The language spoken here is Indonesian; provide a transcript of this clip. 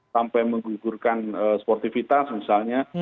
sampai menggugurkan sportivitas misalnya